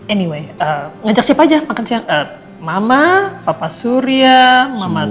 anyway ngajak siapa aja makan mama papa surya mama